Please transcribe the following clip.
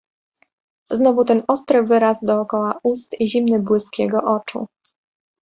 "Znowu ten ostry wyraz dokoła ust i zimny błysk jego oczu."